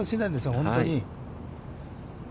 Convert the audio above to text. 本当に。